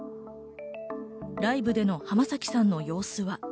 ライブでの浜崎さんの様子は？